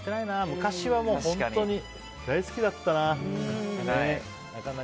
昔は本当に大好きだったな。